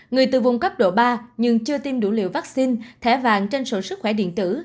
người từ vùng cấp độ ba nhưng chưa tiêm đủ liều vaccine thẻ vàng trên sổ sức khỏe điện tử